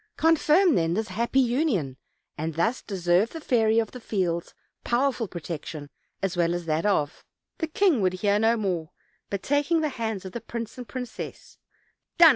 Confirm, then, this happy union, and thus deserve the Fairy of the Fields' power ful protection, as well as that of " The king would hear no more, but taking the hands of the prince and princess: "Done!"